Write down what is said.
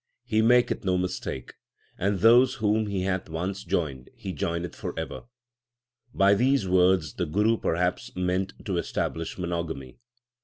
He maketh no mistake, and those whom He hath once joined He joineth for ever/ By these words the Guru perhaps meant to establish monogamy.